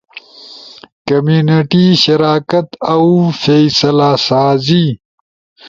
کمیونٹی شراکت اؤ فیصلہ سازی۔